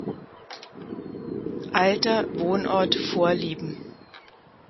Alter, Wohnort, Vorlieben.